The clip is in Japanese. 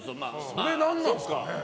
それ、何なんですかね？